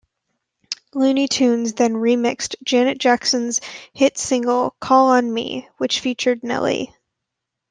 Luny Tunes then remixed Janet Jackson's hit single "Call on Me", which featured Nelly.